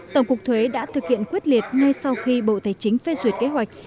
tổng cục thuế đã thực hiện quyết liệt ngay sau khi bộ tài chính phê duyệt kế hoạch